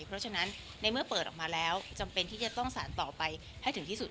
เพราะฉะนั้นในเมื่อเปิดออกมาแล้วจำเป็นที่จะต้องสารต่อไปให้ถึงที่สุด